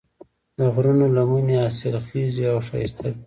د غرونو لمنې حاصلخیزې او ښایسته دي.